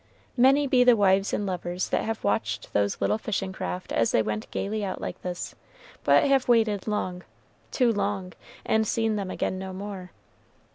Many be the wives and lovers that have watched those little fishing craft as they went gayly out like this, but have waited long too long and seen them again no more.